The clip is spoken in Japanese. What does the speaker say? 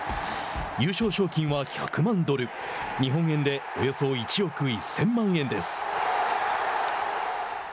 優勝賞金は１００万ドル日本円でおよそ１億１０００万円です。